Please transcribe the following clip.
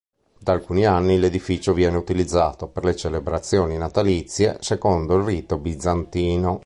Da alcuni anni l'edificio viene utilizzato per le celebrazioni natalizie secondo il rito bizantino.